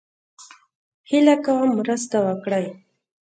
هيله کوم مرسته وکړئ